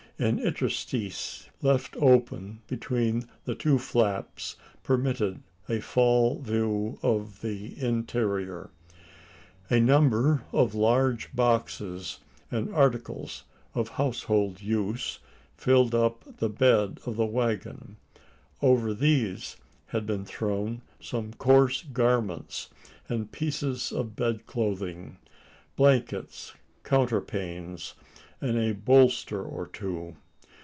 An interstice left open between the two flaps permitted a fall view of the interior. A number of large boxes and articles of household use filled up the bed of the waggon. Over these had been thrown some coarse garments, and pieces of bed clothing blankets, counterpanes, and a bolster or two.